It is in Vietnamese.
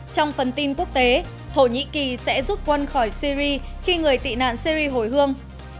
trong phần tin quốc tế thổ nhĩ kỳ sẽ rút quân khỏi syri khi người tị nạn syri hồi hương